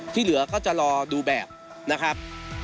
เหลือก็จะรอดูแบบนะครับ